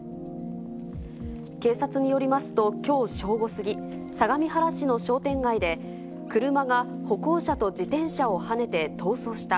警察によりますときょう正午過ぎ、相模原市の商店街で、車が歩行者と自転車をはねて逃走した。